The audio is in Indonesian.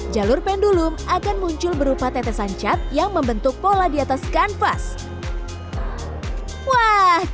jalur pendulum akan muncul berupa tetesan cat yang membentuk pola di atas kanvas wah